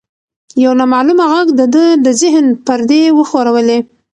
یو نامعلومه غږ د ده د ذهن پردې وښورولې.